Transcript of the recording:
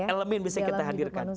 elemen bisa kita hadirkan